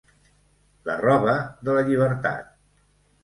La roba de la llibertat.